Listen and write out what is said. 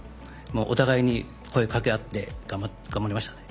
お互いに声をかけ合って頑張りましたね。